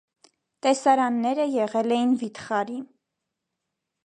Տեսարանները եղել էին վիթխարի։